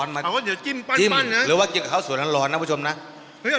มีคำใหญ่